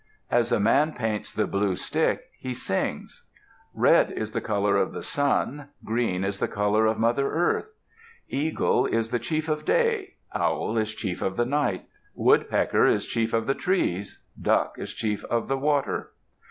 As a man paints the blue stick he sings. Red is the color of the sun. Green is the color of Mother Earth. Eagle is the chief of day; Owl is chief of the night; Woodpecker is chief of the trees; Duck is chief of the water.